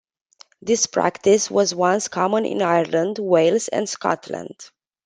This practice was once common in Ireland, Wales, and Scotland.